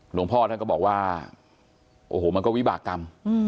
หลวงพ่อท่านก็บอกว่าโอ้โหมันก็วิบากรรม